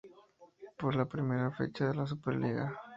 Por la primera fecha de la Superliga.